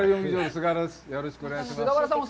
菅原さん、よろしくお願いします。